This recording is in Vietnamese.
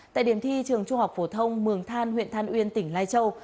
tại điểm thi trường trung học phổ thông mường than huyện than uyên tỉnh lai châu